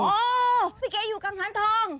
เออพี่เกอยู่กังหันทอง